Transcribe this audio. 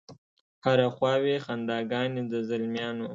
هره خوا وي خنداګانې د زلمیانو